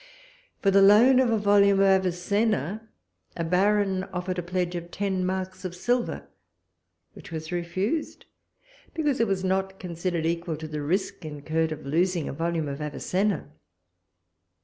For the loan of a volume of Avicenna, a Baron offered a pledge of ten marks of silver, which was refused: because it was not considered equal to the risk incurred of losing a volume of Avicenna!